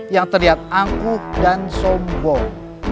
yang terlihat angkuk dan sombong